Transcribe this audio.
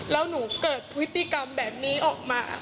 แล้วหนูเกิดพฤติกรรมแบบนี้ออกมา